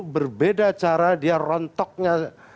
berbeda cara dia rontoknya